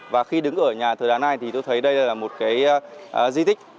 và khi đứng ở nhà thờ đá này thì tôi thấy đây là một cái di tích